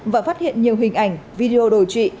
và phát hiện nhiều hình ảnh video đồ trị